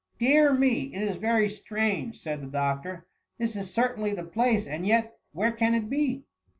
Dear me, it is very strange !'' said the doc tor; " this is certainly the place, and yet, where can it be